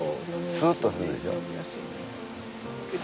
スッとするでしょ？